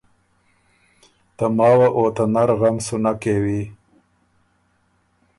ته ماوه او ته نر غم سُو نک کېوی